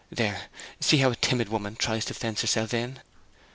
There, see how a timid woman tries to fence herself in!'